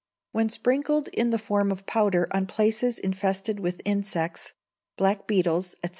When sprinkled in the form of powder on places infested with insects, black beetles, &c.